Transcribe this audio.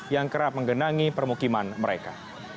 yang kerap menggenangi permukiman mereka